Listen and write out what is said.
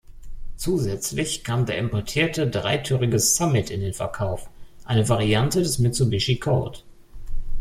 Zusätzlich kam der importierte dreitürige Summit in den Verkauf, eine Variante des Mitsubishi Colt.